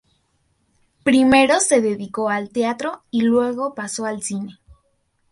Primero se dedicó al teatro y luego pasó al cine.